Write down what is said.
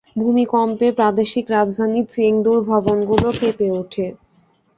ভূমিকম্পে প্রাদেশিক রাজধানী চেংদুর ভবনগুলো কেঁপে ওঠে।